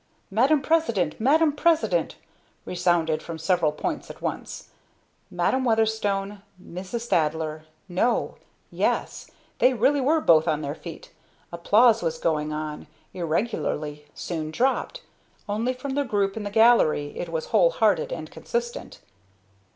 "Madam President! Madam President!" resounded from several points at once. Madam Weatherstone Mrs. Thaddler no! yes they really were both on their feet. Applause was going on irregularly soon dropped. Only, from the group in the gallery it was whole hearted and consistent.